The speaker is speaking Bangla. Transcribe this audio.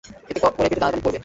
এতে করে পেটে দানাপানি পড়বে।